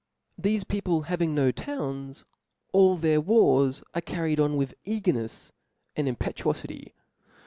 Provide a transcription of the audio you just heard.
Thefe people having no towns, all their wars are carried on with eagernefs and impetuofity.